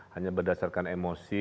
hanya berdasarkan emosi